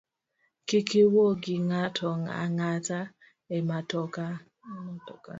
Kik iwuo gi ng’ato ang’ata e matoka